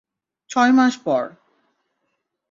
ছয় মাস পর।